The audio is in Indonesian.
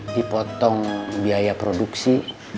dipotong biaya produksi